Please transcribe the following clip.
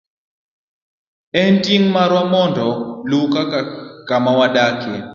En ting' marwa rito lowo kaka kama wadakie.